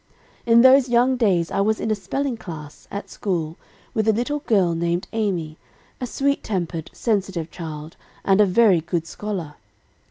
"In those young days I was in a spelling class, at school, with a little girl named Amy, a sweet tempered, sensitive child, and a very good scholar.